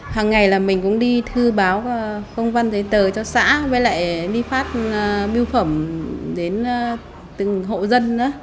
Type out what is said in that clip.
hằng ngày mình cũng đi thư báo công văn giấy tờ cho xã với lại đi phát biêu phẩm đến từng hộ dân